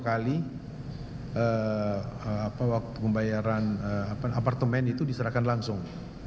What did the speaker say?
kali waktu pembayaran apartemen itu diserahkan langsung